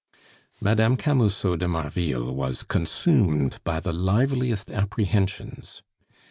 Mme. Camusot de Marville was consumed by the liveliest apprehensions.